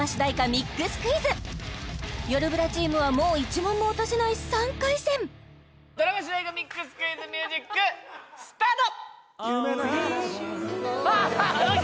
ＭＩＸクイズよるブラチームはもう１問も落とせない３回戦ドラマ主題歌ＭＩＸクイズミュージックスタート！